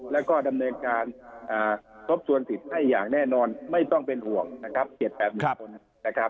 แล้วก็ดำเนินการทบทวนสิทธิ์ให้อย่างแน่นอนไม่ต้องเป็นห่วงนะครับ๗๘หมื่นคนนะครับ